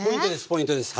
ポイントです